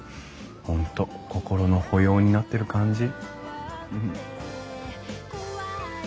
本当心の保養になってる感じ。